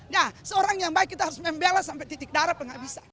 nah seorang yang baik kita harus membela sampai titik darah penghabisan